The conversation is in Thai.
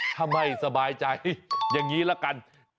ถ้าไม่สบายใจอย่างนี้ละกัน